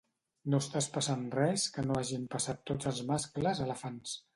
No estàs passant res que no hagin passat tots els mascles elefants.